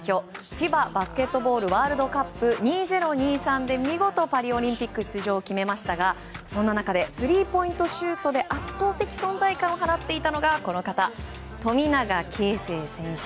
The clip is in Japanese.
ＦＩＢＡバスケットボールワールドカップ２０２３で見事、パリオリンピック出場を決めましたがそんな中でスリーポイントシュートで圧倒的存在感を放っていたのがこの方富永啓生選手。